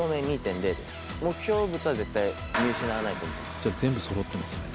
じゃあ全部そろってますね。